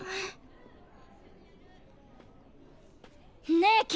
ねえ君。